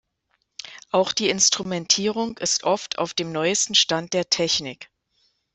Auch die Instrumentierung ist oft auf dem neuesten Stand der Technik.